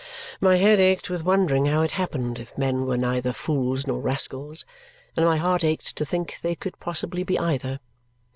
My head ached with wondering how it happened, if men were neither fools nor rascals; and my heart ached to think they could possibly be either.